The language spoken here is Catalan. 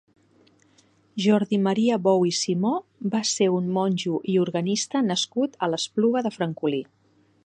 Jordi Maria Bou i Simó va ser un monjo i organista nascut a l'Espluga de Francolí.